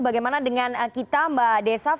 bagaimana dengan kita mbak desaf